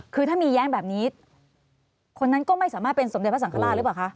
คือถ้ามีแย้งแบบนี้คนนั้นก็ไม่สามารถเป็นสมเด็จพระสังฆราชหรือเปล่าคะ